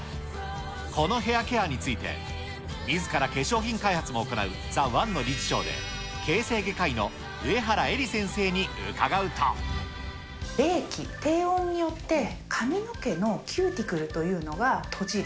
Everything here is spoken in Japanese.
このヘアケアについて、みずから化粧品開発も行うザ・ワンの理事長で、形成外科医の上原冷気、低温によって髪の毛のキューティクルというのが閉じる。